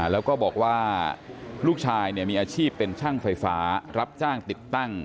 แล้วก็บอกว่าลูกชายมีอาชีพเป็นช่างไฟฟ้ารับจ้างติดตั้ง